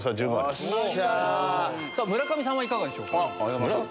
村上さんはいかがでしょうか。